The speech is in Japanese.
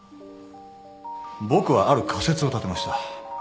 僕はある仮説を立てました。